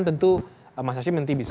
tentu mas hashim nanti bisa